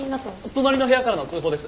隣の部屋からの通報です。